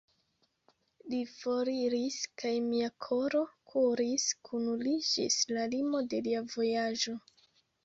Li foriris, kaj mia koro kuris kun li ĝis la limo de lia vojaĝo.